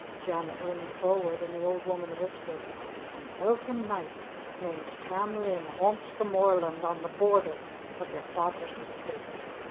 Janet leaned forward, and the old woman whispered, "An Elfin Knight, named Tam Lin, haunts the moorland on the border of your father's estate.